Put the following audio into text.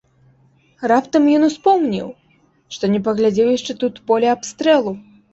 Раптам ён успомніў, што не паглядзеў яшчэ тут поля абстрэлу.